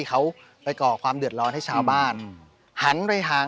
ท่านก็จะโดนบาดให้เห็น